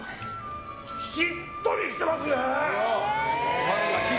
しっとりしてますね！